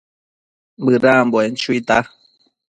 Bëdambuen chuita